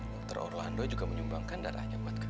dokter orlando juga menyumbangkan darahnya buat